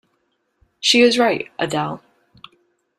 She is right, Adele.